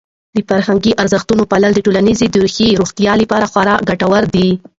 د فرهنګي ارزښتونو پالل د ټولنې د روحي روغتیا لپاره خورا ګټور دي.